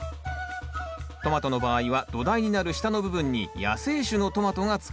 トマトの場合は土台になる下の部分に野生種のトマトが使われます